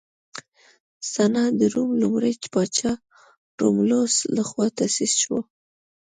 سنا د روم لومړي پاچا رومولوس لخوا تاسیس شوه